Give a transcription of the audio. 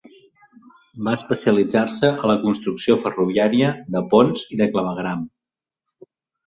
Va especialitzar-se a la construcció ferroviària, de ponts i de clavegueram.